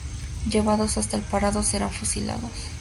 Llevados hasta el Pardo, serán fusilados.